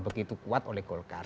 begitu kuat oleh golkar